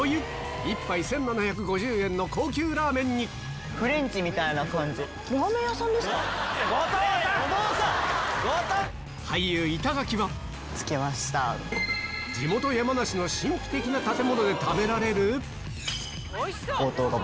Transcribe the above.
一杯１７５０円の高級ラーメンに、俳優・板垣は地元・山梨の神秘的な建物で食べられる。